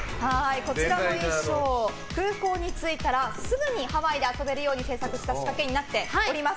こちらの衣装、空港に着いたらすぐにハワイで遊べるような仕掛けになっています。